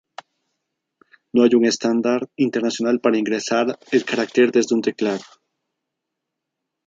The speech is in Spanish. No hay un estándar internacional para ingresar el carácter desde un teclado.